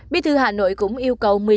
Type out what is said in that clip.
biên thư hà nội cũng yêu cầu